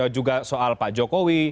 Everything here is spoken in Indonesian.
juga soal pak jokowi